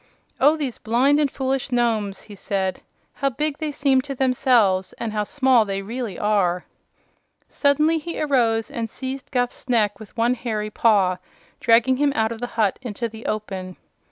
"Oh, these blind and foolish Nomes!" he said. "How big they seem to themselves and how small they really are!" Suddenly he arose and seized Guph's neck with one hairy paw, dragging him out of the hut into the open.